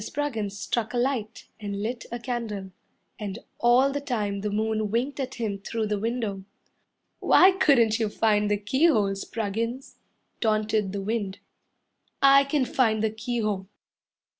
Spruggins struck a light and lit a candle, And all the time the moon winked at him through the window. "Why couldn't you find the keyhole, Spruggins?" Taunted the wind. "I can find the keyhole."